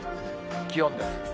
気温です。